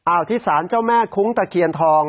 เอาที่สารเจ้าแม่คุ้งตะเคียนทอง